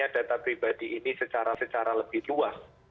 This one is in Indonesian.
dan melakukan data pribadi ini secara lebih luas